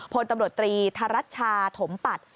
พลตำรวจตรีธรัชชาถมปัตย์